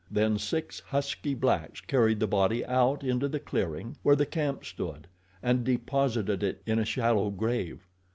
Then six husky blacks carried the body out into the clearing where the camp stood, and deposited it in a shallow grave.